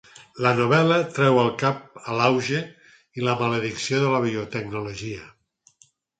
La novel·la treu el cap a l'auge i la maledicció de la biotecnologia.